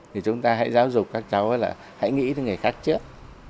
thì chúng ta hãy giáo dục các cháu là hãy nghĩ tới người khác trước